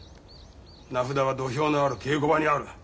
名札は土俵のある稽古場にある。